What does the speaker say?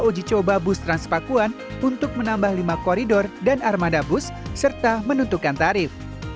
uji coba bus transpakuan untuk menambah lima koridor dan armada bus serta menentukan tarif